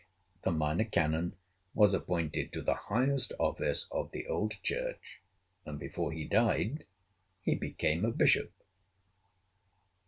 The Minor Canon was appointed to the highest office of the old church, and before he died, he became a bishop.